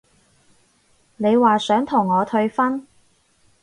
你話想同我退婚？